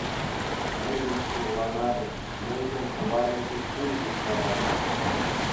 Мӗншӗн хурланатӑн, мӗншӗн тӑварлӑ куҫҫуль юхтаратӑн?